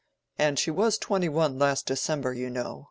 And she was twenty one last December, you know.